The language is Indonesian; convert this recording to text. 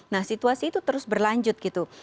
nah situasi itu terus berlanjut gitu